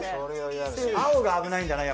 青が危ないんじゃない？